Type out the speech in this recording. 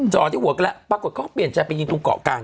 ปรากฏเขาก็เปลี่ยนใจไปยิงตรงเกาะกลาง